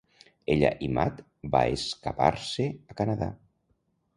Ella i Matt var escapar-se a Canadà.